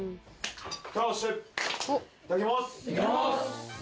いただきます！